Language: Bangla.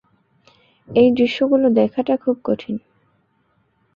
এই দৃশ্যগুলো দেখাটা খুব কঠিন।